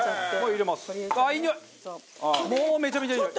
もうめちゃめちゃいいにおい！